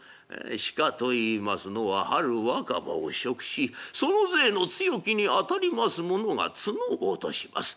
鹿といいますのは春若葉を食しその勢の強きに当たりますものが角を落とします。